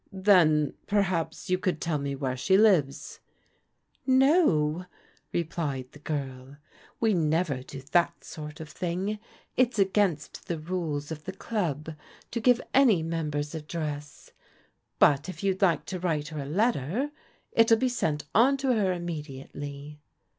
" Then, perhaps, you could tell me where she lives?" "No," replied the girl, "we never do that sort of thing. It's against th^ rules of the club to give any member's address. But if you'd like to write her a letter, it'll be sent on to her immediately."